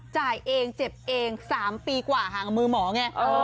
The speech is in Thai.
จ่ายเองเจ็บเอง๓ปีกว่าห่างกับมือหมอไง